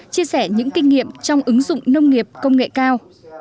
chia sẻ những kinh nghiệm trong ứng dụng nông nghiệp công nghệ cao